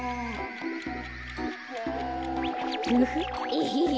エヘヘ。